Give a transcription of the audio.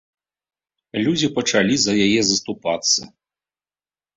Людзі пачалі за яе заступацца.